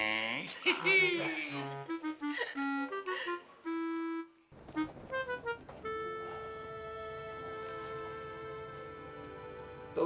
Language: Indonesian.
buat di cemboker nih